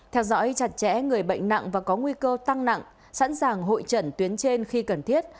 theo dõi chặt chẽ người bệnh nặng và có nguy cơ tăng nặng sẵn sàng hội trận tuyến trên khi cần thiết